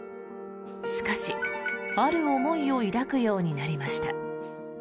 しかし、ある思いを抱くようになりました。